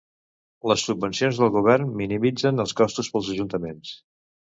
Les subvencions del govern minimitzen els costos pels ajuntaments.